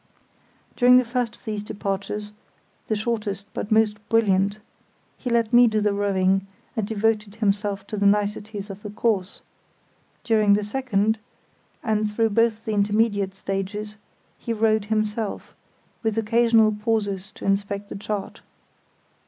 During the first of these departures—the shortest but most brilliant—he let me do the rowing, and devoted himself to the niceties of the course; during the second, and through both the intermediate stages, he rowed himself, with occasional pauses to inspect the chart.